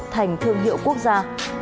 thành thương hiệu quốc gia